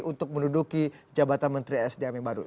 untuk menduduki jabatan menteri sdm yang baru